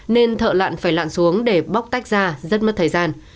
nên thợ lạn phải lạn xuống để bóc tách ra rất mất thời gian